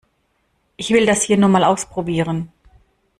Ich will das hier nur mal ausprobieren.